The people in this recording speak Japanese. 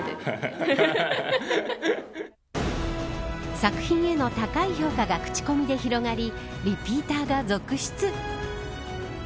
作品への高い評価が口コミで広がりリピーターが続出。